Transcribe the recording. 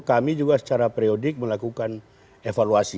kami juga secara periodik melakukan evaluasi